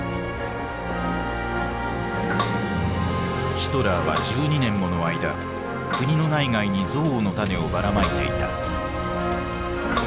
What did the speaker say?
ヒトラーは１２年もの間国の内外に憎悪の種をばらまいていた。